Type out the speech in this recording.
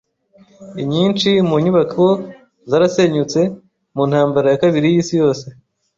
Inyinshi mu nyubako zarasenyutse mu Ntambara ya Kabiri y'Isi Yose.